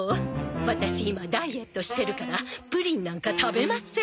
ワタシ今ダイエットしてるからプリンなんか食べません。